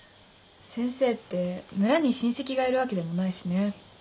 先生って村に親戚がいるわけでもないしね。